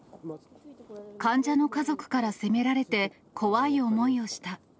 患者の家族から責められて怖い思いをした。